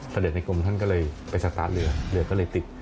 เสด็จในกลมท่านก็เลยไปสัตว์ศรีเด็กเหลือก็เลยติด